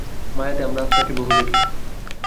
মায়াতে আমরা আত্মাকে বহু দেখি।